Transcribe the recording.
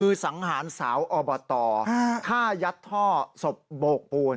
คือสังหารสาวอบตฆ่ายัดท่อศพโบกปูน